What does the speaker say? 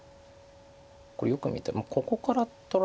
これよく見たらここから取られる。